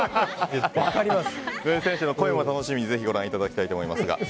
選手の声も楽しみにご覧いただきたいと思います。